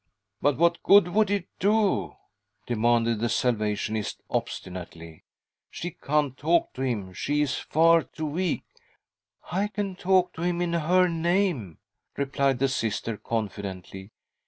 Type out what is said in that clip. " But what good would it do ?" demanded the Salvationist obstinately. "She can't talk to him — she is. far too weak." " I can talk to him in her name," replied the Sister confidently.